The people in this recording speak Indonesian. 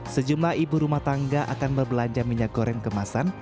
sejumlah ibu rumah tangga akan berbelanja minyak goreng kemasan